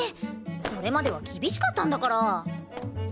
それまでは厳しかったんだから！